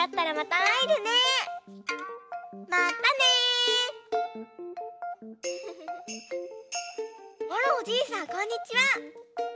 あらおじいさんこんにちは！